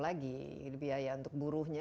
lagi biaya untuk buruhnya